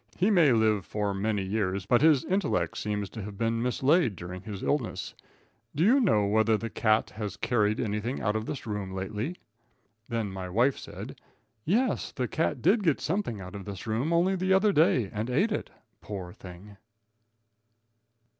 He may live for many years, but his intellect seems to have been mislaid during his illness. Do you know whether the cat has carried anything out of this room lately?" Then my wife said: "Yes, the cat did get something out of this room only the other day and ate it. Poor thing!"